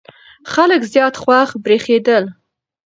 خلک زیات خوښ برېښېدل.